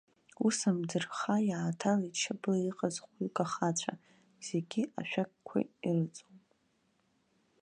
Ус амӡырха иааҭалеит шьапыла иҟаз хәҩык ахацәа, зегьы ашәақьқәа ирыҵоуп.